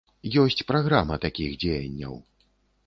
Ёсць праграма такіх дзеянняў.